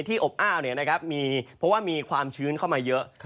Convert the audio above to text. ที่อบอ้าวเนี่ยนะครับเพราะว่ามีความชื้นเข้ามาเยอะ